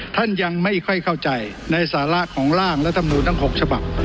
ท่านยังไม่ค่อยเข้าใจในสาระของร่างรัฐมนูลทั้ง๖ฉบับ